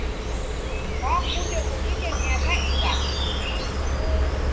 Kwakunde uvike miaka ighana?